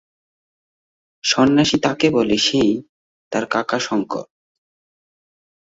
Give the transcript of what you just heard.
সন্ন্যাসী তাকে বলে সেই তার কাকা শংকর।